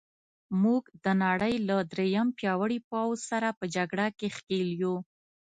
موږ د نړۍ له درېیم پیاوړي پوځ سره په جګړه کې ښکېل یو.